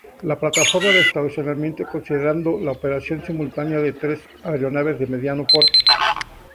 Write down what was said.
La plataforma de estacionamiento considerando la operación simultánea de tres aeronaves de mediano porte.